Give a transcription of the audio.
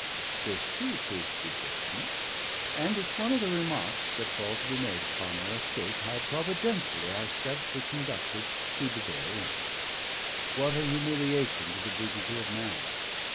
This, too, proved to be fortunate; and it's one of the remarks that fall to be made upon our escape, how providentially our steps were conducted to the very end. What a humiliation to the dignity of man!